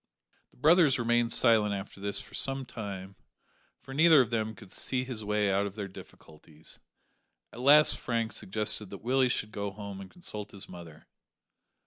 The brothers remained silent after this for some time, for neither of them could see his way out of their difficulties; at last Frank suggested that Willie should go home and consult his mother.